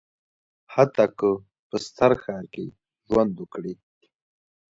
حتی که په ستر ښار کې ژوند وکړي.